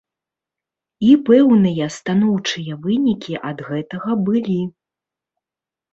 І пэўныя станоўчыя вынікі ад гэтага былі.